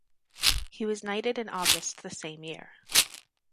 He was knighted in August the same year.